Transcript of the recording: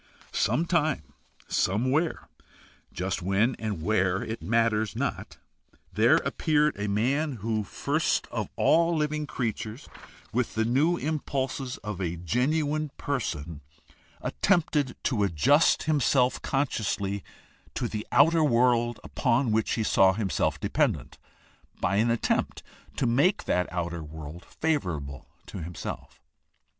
Some time, somewhere — just when and where it matters not — there appeared a man who, first of all living creatures, THE HISTORICAL STUDY OF RELIGION 35 with the new impulses of a genuine person, attempted to adjust himself consciously to the outer world upon which he saw himself dependent by an attempt to make that outer world favorable to himself.